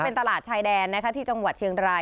เป็นตลาดชายแดนนะคะที่จังหวัดเชียงราย